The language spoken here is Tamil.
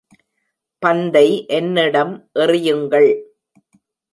பந்தை என்னிடம் எறியுங்கள்.